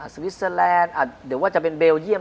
สวิสเซอร์แลนด์อ่ะเดี๋ยวว่าจะเป็นเบลเยี่ยม